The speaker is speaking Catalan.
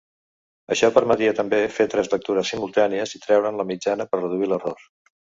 Això permetia també fer tres lectures simultànies i treure'n la mitjana per reduir l'error.